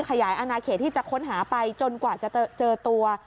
ขยายอนาเขตที่จะค้นหาไปจนกว่าจะเจอตัว